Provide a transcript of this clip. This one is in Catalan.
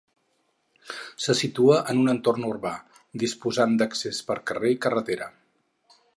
Se situa en un entorn urbà, disposant d'accés per carrer i carretera.